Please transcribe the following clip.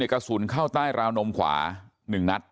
กระสุนเข้าใต้ราวนมขวา๑นัด